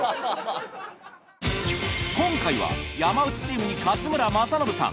今回は山内チームに勝村政信さん